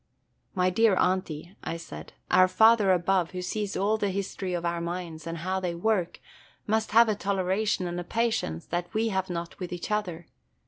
"My dear Aunty," I said, "our Father above, who sees all the history of our minds, and how they work, must have a toleration and a patience that we have not with each other.